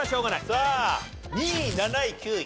さあ２位７位９位。